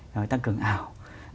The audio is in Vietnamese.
rồi tăng cường ảo